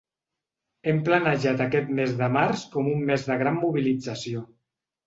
Hem planejat aquest mes de març com un mes de gran mobilització.